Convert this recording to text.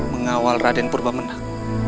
mengawal raden purba menak